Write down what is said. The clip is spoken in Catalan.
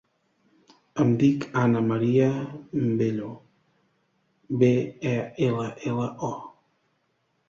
Em dic Ana maria Bello: be, e, ela, ela, o.